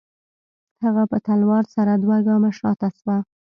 هغه په تلوار سره دوه گامه شاته سوه.